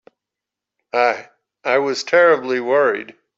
I—I was terribly worried.